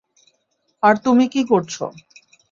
আর তুমি কী করছো?